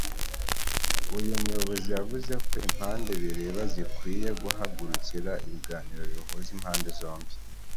uyu muyobozi yavuze ko impande bireba zikwiye guhagurukira ibiganiro bihuza impande zombi